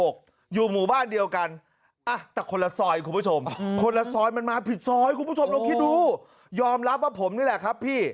แค่จะเดินออกมาดูว่ามันอะไร